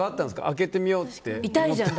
開けてみようって。